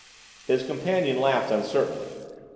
His companion laughed uncertainly.